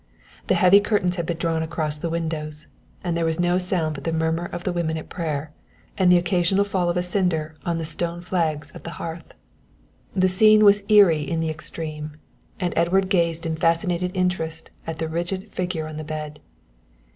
The heavy curtains had been drawn across the windows, and there was no sound but the murmur of the women at prayer and the occasional fall of a cinder on the stone flags of the hearth. The scene was eerie in the extreme, and Edward gazed in fascinated interest at the rigid figure on the bed.